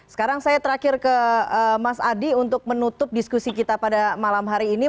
sekarang saya terakhir ke mas adi untuk menutup diskusi kita pada malam hari ini